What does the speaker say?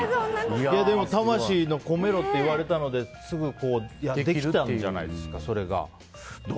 でも魂を込めろって言われたのですぐできたんじゃないですかそれが。